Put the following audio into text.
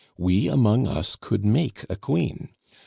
We among us could make a queen.